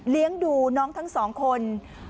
เลี้ยงดูน้องทั้งสองคน